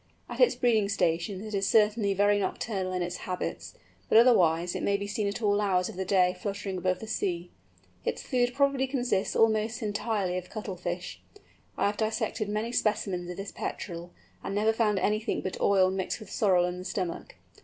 At its breeding stations it is certainly very nocturnal in its habits, but otherwise it may be seen at all hours of the day fluttering above the sea. Its food probably consists almost entirely of cuttlefish; I have dissected many specimens of this Petrel, and never found anything but oil mixed with sorrel in the stomach.